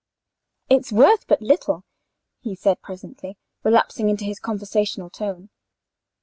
"It's worth but little," he said presently, relapsing into his conversational tone.